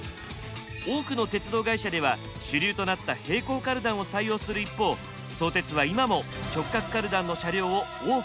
多くの鉄道会社では主流となった平行カルダンを採用する一方相鉄は今も直角カルダンの車両を多く採用しています。